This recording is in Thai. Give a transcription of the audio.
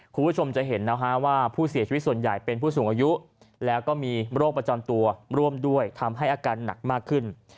คุณผู้ชมจะเห็นนะฮะว่าผู้เสียชีวิตส่วนใหญ่เป็นผู้สูงอายุแล้วก็มีโรคประจำตัวร่วมด้วยทำให้อาการหนักมากขึ้น